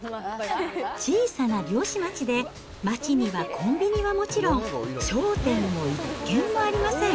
小さな漁師町で、町にはコンビニはもちろん、商店も一軒もありません。